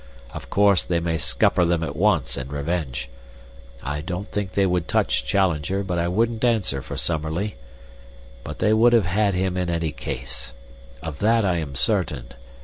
Of course they may scupper them at once in revenge. I don't think they would touch Challenger, but I wouldn't answer for Summerlee. But they would have had him in any case. Of that I am certain.